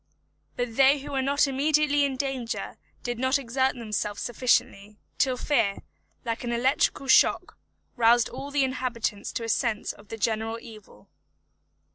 But they who were not immediately in danger did not exert themselves sufficiently, till fear, like an electrical shock, roused all the inhabitants to a sense of the general evil.